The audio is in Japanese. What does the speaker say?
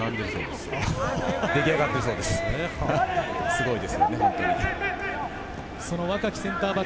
すごいですよね